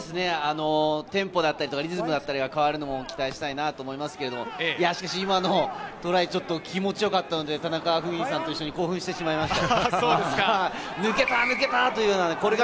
テンポだったり、リズムだったりが変わるのも期待したいなと思いますけれど、しかし今のトライ、ちょっと気持ちよかったので、田中史さんと一緒に興奮してしまいました。